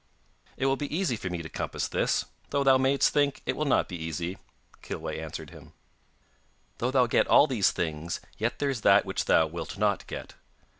'It will be easy for me to compass this, though thou mayest think it will not be easy,' Kilweh answered him. 'Though thou get all these things yet there is that which thou wilt not get.